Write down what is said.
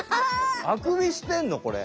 あくびしてんのこれ？